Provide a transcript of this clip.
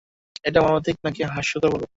এটাকে মর্মান্তিক নাকি হাস্যকর বলব?